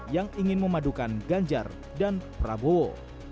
yang ingin memadukan ganjar dan prabowo